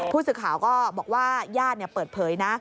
ผู้สื่อข่าวก็บอกว่าญาติเปิดเผยนะ